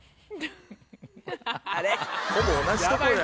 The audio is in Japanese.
ほぼ同じとこやん。